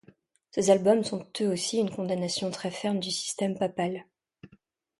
Ces albums sont eux aussi une condamnation très ferme du système papal.